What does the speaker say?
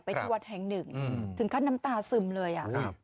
ไปทวดแห่งหนึ่งอืมถึงขั้นน้ำตาซึมเลยอ่ะครับ